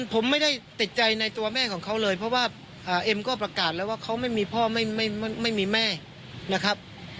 ผมไม่ได้ติดใจในตัวแม่ของเขาเลยเพราะว่าเอ็มก็ประกาศแล้วว่าเขาไม่มีพ่อไม่มีแม่นะครับ